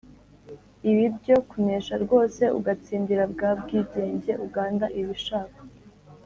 ibi byo kunesha rwose: ugatsindira bwa bwigenge uganda iba ishaka.